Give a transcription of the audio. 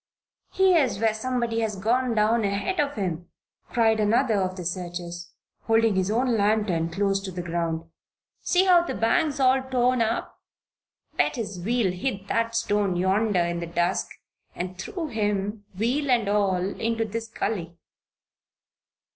"Here's where somebody has gone down ahead of him," cried another of the searchers, holding his own lantern close to the ground. "See how the bank's all torn up? Bet his wheel hit that stone yonder in the dusk and threw him, wheel and all, into this gulley."